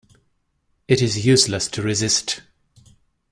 It is useless to resist.